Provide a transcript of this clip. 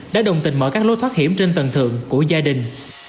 đã đồng tình mở các lối thoát hiểm trên tầng thượng của gia đình